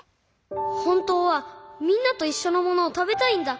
ほんとうはみんなといっしょのものをたべたいんだ。